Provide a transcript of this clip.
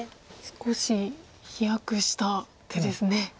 少し飛躍した手ですね。